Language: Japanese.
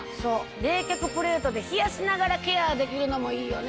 冷却プレートで冷やしながらケアできるのもいいよね。